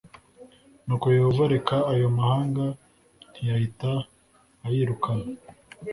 nuko yehova areka ayo mahanga ntiyahita ayirukana